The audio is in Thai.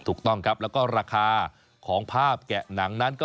ถูกต้องครับแล้วก็ราคาของภาพแกะหนังนั้นก็